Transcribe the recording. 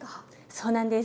そうなんです。